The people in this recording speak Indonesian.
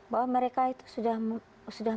bahwa mereka itu sudah